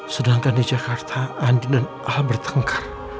sedangkan di jakarta andi dan al bertengkar